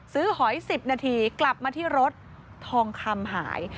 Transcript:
หอย๑๐นาทีกลับมาที่รถทองคำหาย